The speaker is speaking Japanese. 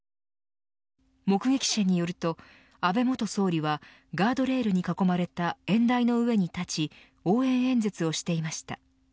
目撃者によると安倍元総理はガードレールに囲まれた演台の上に立ち応援演説をしていました。